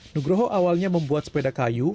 nugroho awalnya membuat sepeda kayu